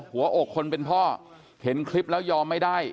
หัวอกคนเป็นพ่อเห็นคลิปแล้วยอมไม่ได้